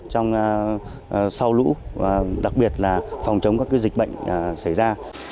trong sau lũ và đặc biệt là phòng chống các dịch bệnh xảy ra